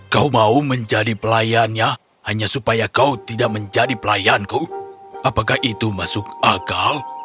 kau mau menjadi pelayannya hanya supaya kau tidak menjadi pelayanku apakah itu masuk akal